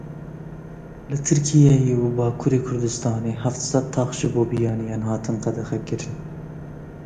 Li Tirkiyeye û Bakurê Kurdistanê heft sed tax ji bo biyaniyan hatin qedexekirin.